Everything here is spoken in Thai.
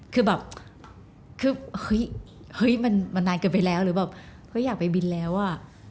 คือแบบคือเฮ้ยมันนานเกินไปแล้วหรือแบบเฮ้ยอยากไปบินแล้วอ่ะ